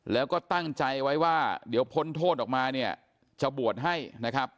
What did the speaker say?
แล้วก็ตั้งใจไว้ว่าเดี๋ยวพ้นโทษออกมาเนี่ยจะบวชให้นะครับ